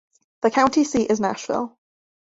The county seat is Nashville.